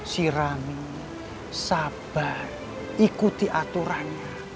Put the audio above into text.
sirami sabar ikuti aturannya